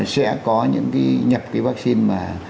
sẽ có những cái nhập cái vaccine